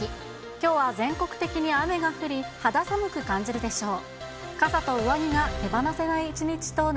きょうは全国的に雨が降り、肌寒く感じるでしょう。